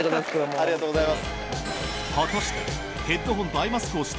ありがとうございます。